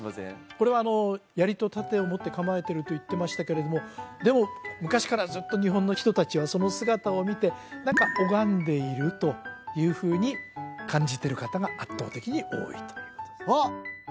これは槍と盾を持って構えてると言ってましたけれどもでも昔からずっと日本の人達はその姿を見て何か拝んでいるというふうに感じてる方が圧倒的に多いということですあっ！